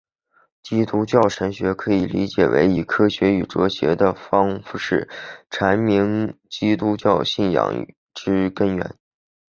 基督教神学可以理解为以科学与哲学的方式阐明基督教信仰之根源。